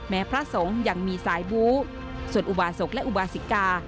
พระสงฆ์ยังมีสายบูส่วนอุบาศกและอุบาสิกา